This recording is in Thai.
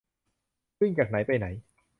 วิ่งจากไหนไปไหน